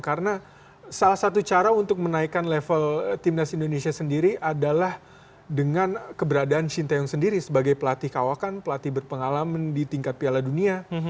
karena salah satu cara untuk menaikkan level timnas indonesia sendiri adalah dengan keberadaan shin taeyong sendiri sebagai pelatih kawakan pelatih berpengalaman di tingkat piala dunia